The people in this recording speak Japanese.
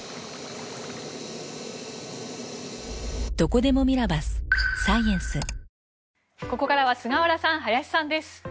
ここからは菅原さん、林さんです。